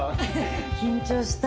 緊張した。